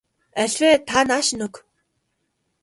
Аль вэ та нааш нь өг.